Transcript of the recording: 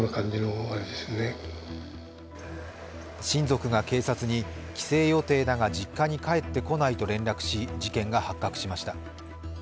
親族が警察に帰省予定だが実家に帰ってこないと連絡し、事件が発覚しました。